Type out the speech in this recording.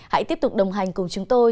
hãy tiếp tục đồng hành cùng chúng tôi